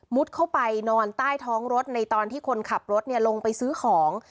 เข้าไปนอนใต้ท้องรถในตอนที่คนขับรถลงไปซื้อของ